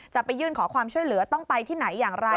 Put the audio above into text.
จะไปยื่นขอความช่วยเหลือต้องไปที่ไหนอย่างไร